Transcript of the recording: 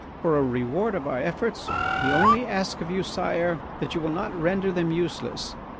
For a reward of our efforts we only ask of you, Sire, that you will not render them useless.